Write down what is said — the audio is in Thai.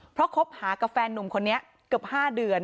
เพราะคบหากับแฟนนุ่มคนนี้เกือบ๕เดือน